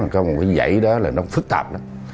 có một giấy đó là nó phức tạp